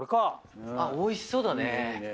おいしそうだね。